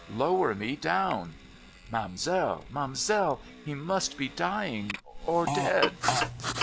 Lower me down !'' Ma'amselle, ma'amselle, he must be dying or dead.'